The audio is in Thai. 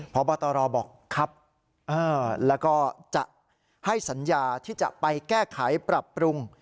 พบตรบอกครับแล้วก็จะให้สัญญาที่จะไปแก้ไขปรับปรุง